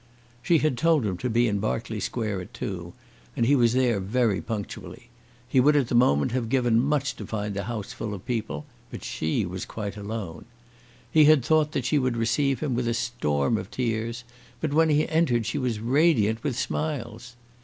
She had told him to be in Berkeley Square at two, and he was there very punctually. He would at the moment have given much to find the house full of people; but she was quite alone. He had thought that she would receive him with a storm of tears, but when he entered she was radiant with smiles.